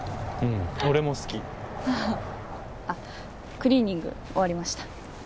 うん俺も好きあっクリーニング終わりました